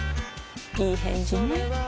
いい返事ね